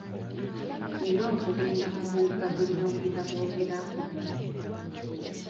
Nina okugenda ku mugga gwe nnawulira boogera ko.